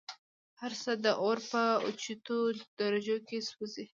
هرڅه د اور په اوچتو درجو كي سوزي